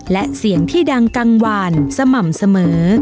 และเสียงที่ดังกังวานสม่ำเสมอ